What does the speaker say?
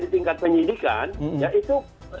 di tingkat penyidikan ya itu